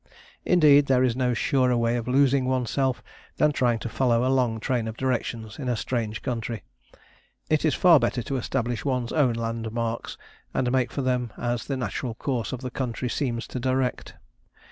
Indeed, there is no surer way of losing oneself than trying to follow a long train of directions in a strange country. It is far better to establish one's own landmarks, and make for them as the natural course of the country seems to direct.